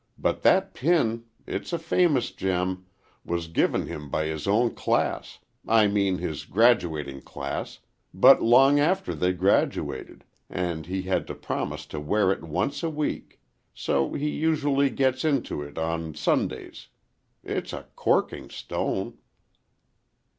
But that pin,—it's a famous gem,—was given him by his own class,—I mean his graduating class, but long after they graduated, and he had to promise to wear it once a week, so he usually gets into it on Sundays. It's a corking stone!"